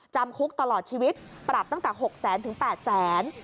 จำคุกตลอดชีวิตปรับตั้งแต่๖แสนถึง๘แสน